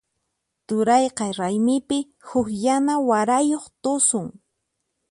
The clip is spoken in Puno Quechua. Turayqa raymipi huk yana warayuq tusun.